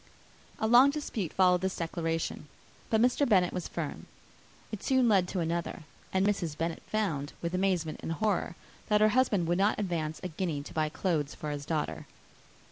A long dispute followed this declaration; but Mr. Bennet was firm: it soon led to another; and Mrs. Bennet found, with amazement and horror, that her husband would not advance a guinea to buy clothes for his daughter.